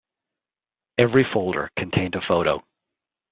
Every folder contained a photo.